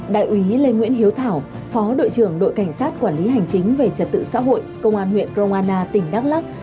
đại úy lê nguyễn hiếu thảo phó đội trưởng đội cảnh sát quản lý hành chính về trật tự xã hội công an huyện gromana tỉnh đắk lắk